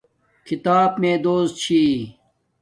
کھیتاپ میے دوست چھی